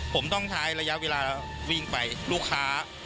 ผมต้องใช้ระยะเวลาวิ่งไปลูกค้า